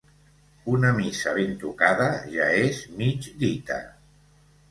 Una missa ben tocada ja és mig dita.